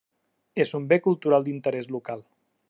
És un bé cultural d'interès local.